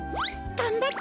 がんばって！